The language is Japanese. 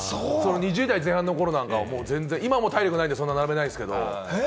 ２０代前半の頃なんかは今は体力がないんで、そんなに並べないですけど。